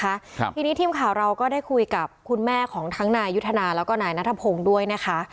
ครับทีนี้ทีมข่าวเราก็ได้คุยกับคุณแม่ของทั้งนายยุทธนาแล้วก็นายนัทพงศ์ด้วยนะคะ